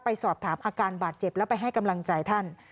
ไปสอบถามอาการบาดเจ็บแล้วไปให้กำลังใจท่าน